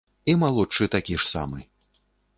І малодшы такі ж самы.